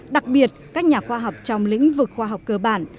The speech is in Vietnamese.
đặc biệt các nhà khoa học trong lĩnh vực khoa học cơ bản